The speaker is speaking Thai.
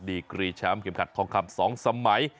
ดีกรีช้ำเข็มขัดทองคลับ๒สมัย